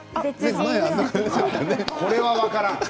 これは分からん！